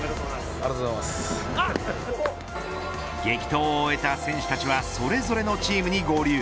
激闘を終えた選手たちはそれぞれのチームに合流。